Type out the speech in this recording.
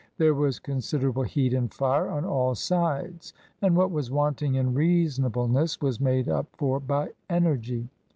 There was con siderable heat and fire on all sides, and what was wanting in reasonableness was made up for by energy.